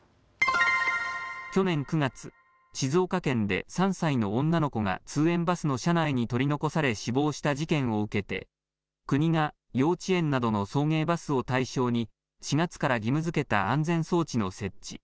去年９月、静岡県で３歳の女の子が通園バスの車内に取り残され死亡した事件を受けて国が幼稚園などの送迎バスを対象に４月から義務づけた安全装置の設置。